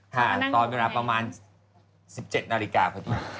ตอนเวลาประมาณ๑๗นาฬิกาพอดี